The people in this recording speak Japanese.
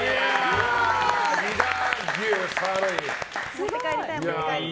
持って帰りたい！